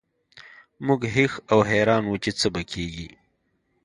موږ هېښ او حیران وو چې څه به کیږي